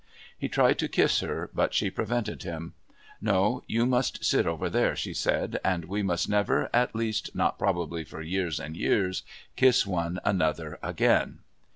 He tried to kiss her but she prevented him. "No, you must sit over there," she said, "and we must never, at least not probably for years and years, kiss one another again."